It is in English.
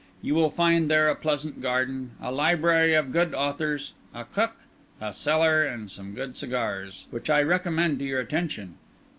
You will find there a pleasant garden, a library of good authors, a cook, a cellar, and some good cigars, which I recommend to your attention.